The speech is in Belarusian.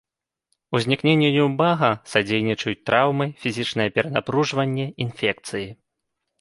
Узнікненню люмбага садзейнічаюць траўмы, фізічнае перанапружанне, інфекцыі.